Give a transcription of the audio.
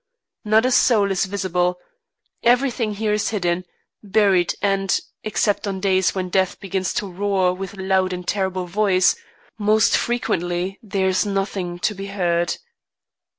Not a soul is visible; everything here is hidden, buried, and except on days when Death begins to roar with loud and terrible voice most frequently there is nothing to be heard.